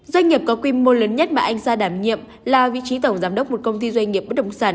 doanh nghiệp có quy mô lớn nhất mà anh sa đảm nhiệm là vị trí tổng giám đốc một công ty doanh nghiệp bất động sản